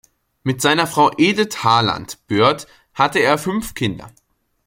Mit seiner Frau Edith Harland Bird hatte er fünf Kinder.